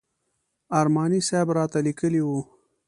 ارماني صاحب راته لیکلي و.